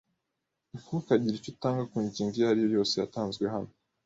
Ntukagire icyo utanga ku ngingo iyo ari yo yose yatanzwe hano.